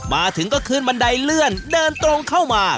มาถึงก็ขึ้นบันไดเลื่อนเดินตรงเข้ามา